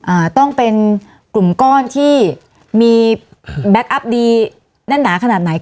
อ่าต้องเป็นกลุ่มก้อนที่มีแบ็คอัพดีแน่นหนาขนาดไหน